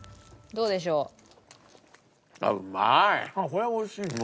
これは美味しいね。